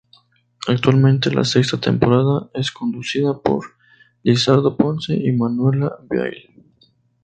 Actualmente la sexta temporada es conducida por Lizardo Ponce y Manuela Viale.